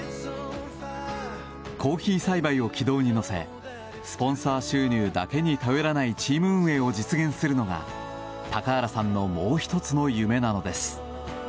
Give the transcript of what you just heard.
コーヒー栽培を軌道に乗せスポンサー収入だけに頼らないチーム運営を実現するのが高原さんのもう１つの夢なのです。